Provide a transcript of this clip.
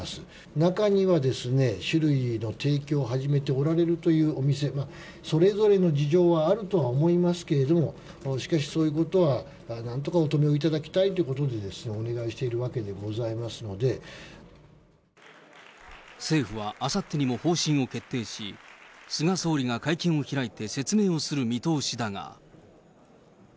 中には酒類の提供を始めておられるというお店も、それぞれの事情があるとは思いますけれども、しかしそういうことは、なんとかお止めをいただきたいということでお願いしているわけで政府はあさってにも方針を決定し、菅総理が会見を開いて説明をする見通しだが。